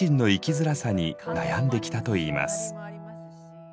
づらさに悩んできたといいます。